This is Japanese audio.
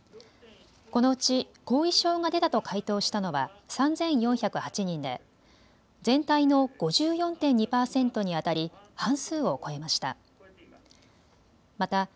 このうち後遺症が出たと回答したのは３４０８人で全体の５４．２％にあたり半数を超えました。